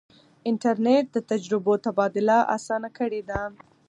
انټرنیټ د تجربو تبادله اسانه کړې ده.